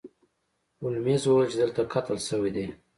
هولمز وویل چې دلته قتل شوی دی.